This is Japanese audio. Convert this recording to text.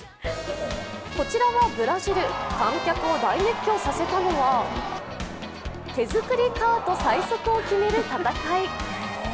こちらはブラジル、観客を大熱狂させたのは手作りカート最速を決める戦い。